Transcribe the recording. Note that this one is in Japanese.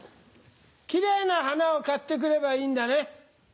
キレイな花を買ってくればいいんだね？